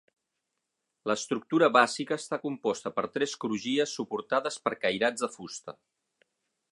L'estructura bàsica està composta per tres crugies suportades per cairats de fusta.